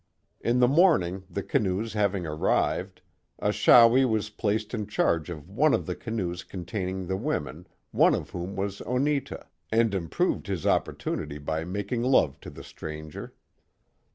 In the morning, the canoes having arrived, Achawi was placed in charge of one of the canoes containing the women, one of whom was Oneta, and improved his opportunity by making love to the stranger.